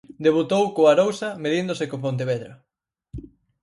Debutou co Arousa medíndose co Pontevedra.